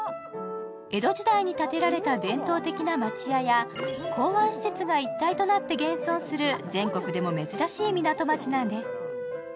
江戸時代に建てられた伝統的な町家や港湾施設が一体となって現存する全国でも珍しい港町なんです。